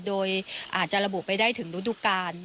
โดยอาจจะระบุไปได้ถึงฤดูกาล